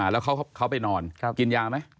แล้วเขาไปนอนกินยาไหม